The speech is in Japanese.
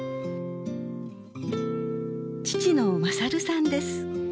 父の優さんです。